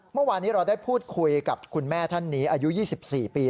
เมื่อวานนี้เราได้พูดคุยกับคุณแม่ท่านนี้อายุ๒๔ปี